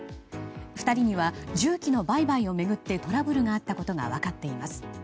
２人には、重機の売買を巡ってトラブルがあったことが分かっています。